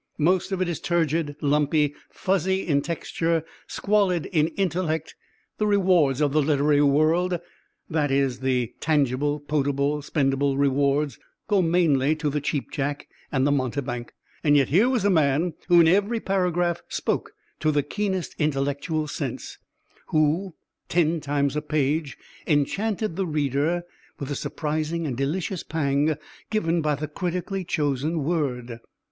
Most of it is turgid, lumpy, fuzzy in texture, squalid in intellect. The rewards of the literary world that is, the tangible, potable, spendable rewards go mostly to the cheapjack and the mountebank. And yet here was a man who in every paragraph spoke to the keenest intellectual sense who, ten times a page, enchanted the reader with the surprising and delicious pang given by the critically chosen word.